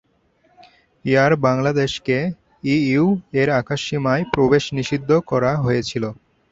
Air বাংলাদেশকে EU এর আকাশসীমায় প্রবেশ নিষিদ্ধ করা হয়েছিল।